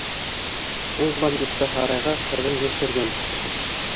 Ул бандитты һарайға ҡыҙың йәшергән!